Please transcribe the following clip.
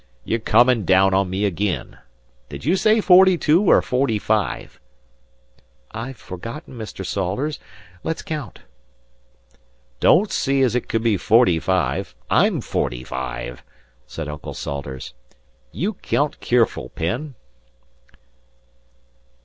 "You're comin' down on me agin. Did ye say forty two or forty five?" "I've forgotten, Mr. Salters. Let's count." "Don't see as it could be forty five. I'm forty five," said Uncle Salters. "You count keerful, Penn."